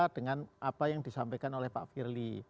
dengan apa yang disampaikan oleh pak firly